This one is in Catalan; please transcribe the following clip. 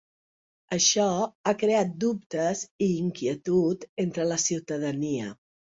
Això ha creat dubtes i inquietud entre la ciutadania.